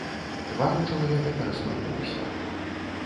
Твар у чалавека перасмыкнуўся.